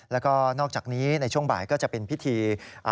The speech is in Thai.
แล้วก็นอกจากนี้ในช่วงบ่ายก็จะเป็นพิธี